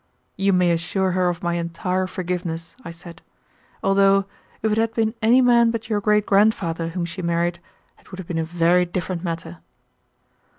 "You may assure her of my entire forgiveness," I said, "although if it had been any man but your great grandfather whom she married, it would have been a very different matter."